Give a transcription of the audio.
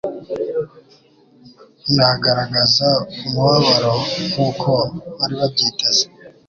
Ntiyagaragaza umubabaro nk'uko bari babyiteze.